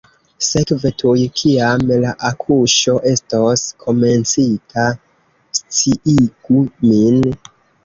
Sekve tuj kiam la akuŝo estos komencita, sciigu min.